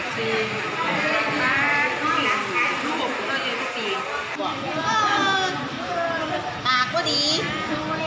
เจอสามสี่พาส